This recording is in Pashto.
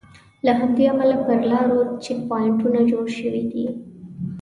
له همدې امله پر لارو چیک پواینټونه جوړ شوي دي.